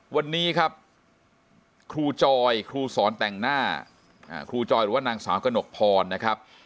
วันนี้ครับครูจอยครูสอนแต่งหน้าครูจอยหรือว่านางสาวกระหนกพรนะครับ